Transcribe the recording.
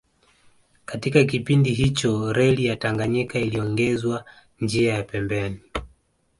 Katika kipindi hicho Reli ya Tanganyika iliongezwa njia ya pembeni